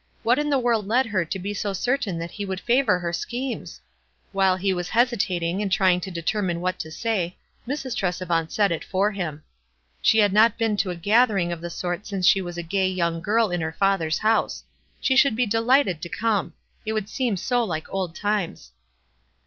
What in the world led her to be so certain that he would favor her schemes? While he was hesitating and trying to deter mine what to say, Mrs. Tresevant said it for bim. She had not been to a gathering of the sort since she was a gay young girl in her father's house. She should be delighted to come ; it would seem so like old times.